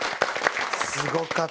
すごかった。